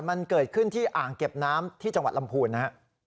มันเกิดขึ้นที่อ่างเก็บน้ำที่จังหวัดลำพูนนะฮะ